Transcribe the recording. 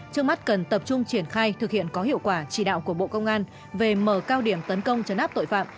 trước mắt cần tập trung triển khai thực hiện có hiệu quả chỉ đạo của bộ công an về mở cao điểm tấn công chấn áp tội phạm